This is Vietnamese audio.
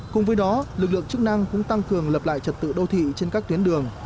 cùng với đó lực lượng chức năng cũng tăng cường lập lại trật tự đô thị trên các tuyến đường